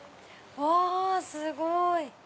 うわすごい！